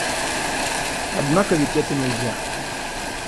Однако ведь это нельзя.